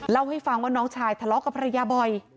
เล่าให้ฟังว่าน้องชายทะเลาะกับภรรยาบ่อย